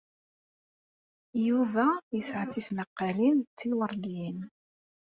Yuba yesɛa tismaqqalin d tiweṛdiyin.